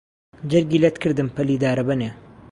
جەرگی لەت کردم پەلی دارەبەنێ